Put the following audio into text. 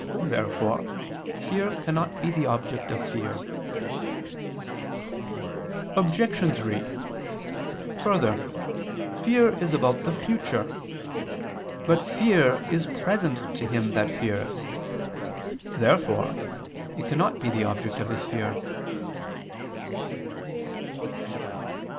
Therefore fear cannot be the object of fear. Obj. 3: Further, fear is about the future. But fear is present to him that fears. Therefore it cannot be the object of his fear.